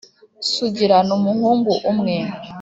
Sugira ni umuhungu umwe